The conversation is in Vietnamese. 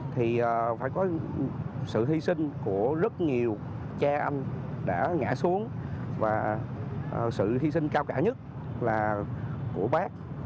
thì phải có sự hy sinh của rất nhiều cha anh đã ngã xuống và sự hy sinh cao cả nhất là của bác